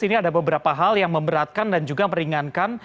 ini ada beberapa hal yang memberatkan dan juga meringankan